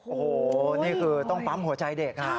โอ้โหนี่คือต้องปั๊มหัวใจเด็ก